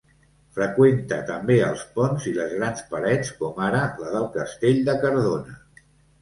Freqüenta també els ponts i les grans parets com ara la del Castell de Cardona.